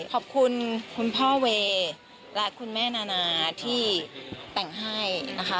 ขอบคุณคุณพ่อเวย์และคุณแม่นานาที่แต่งให้นะคะ